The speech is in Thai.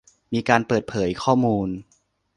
มีการเปิดเผยข้อมูล